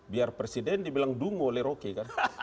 biar presiden dibilang dungu oleh rocky kan